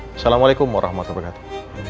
assalamualaikum warahmatullahi wabarakatuh